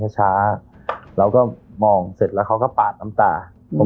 ช้าเราก็มองเสร็จแล้วเขาก็ปาดน้ำตา